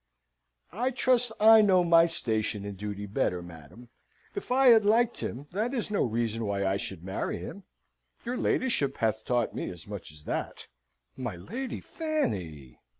"I trust I know my station and duty better, madam! If I had liked him, that is no reason why I should marry him. Your ladyship hath taught me as much as that." "My Lady Fanny!"